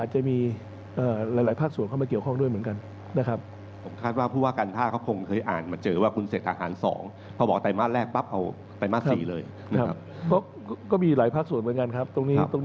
จะมากจะน้อยก็ต้องขึ้นอยู่กับเหตุละผลและก็